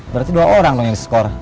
berarti dua orang dong yang diskor